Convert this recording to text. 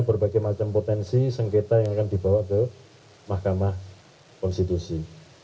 berbagai macam potensi sengketa yang akan dibawa ke mahkamah konstitusi